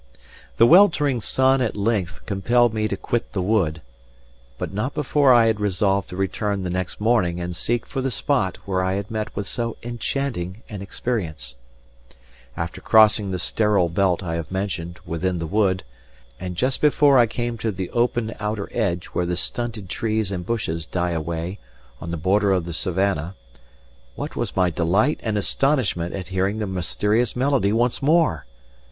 The weltering sun at length compelled me to quit the wood, but not before I had resolved to return the next morning and seek for the spot where I had met with so enchanting an experience. After crossing the sterile belt I have mentioned within the wood, and just before I came to the open outer edge where the stunted trees and bushes die away on the border of the savannah, what was my delight and astonishment at hearing the mysterious melody once more!